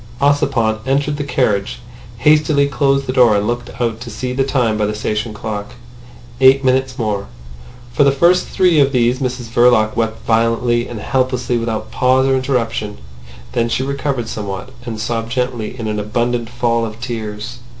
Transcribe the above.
Ossipon entered the carriage, hastily closed the door and looked out to see the time by the station clock. Eight minutes more. For the first three of these Mrs Verloc wept violently and helplessly without pause or interruption. Then she recovered somewhat, and sobbed gently in an abundant fall of tears.